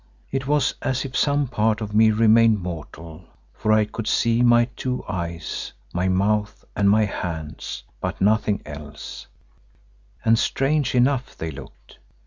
It was as if some part of me remained mortal, for I could see my two eyes, my mouth and my hands, but nothing else—and strange enough they looked.